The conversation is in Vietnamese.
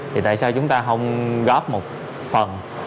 thì tại sao chúng ta không góp một phần